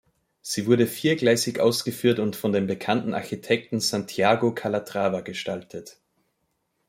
Sie wurde viergleisig ausgeführt und von dem bekannten Architekten Santiago Calatrava gestaltet.